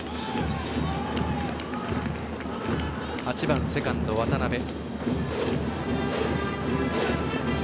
８番セカンド渡辺。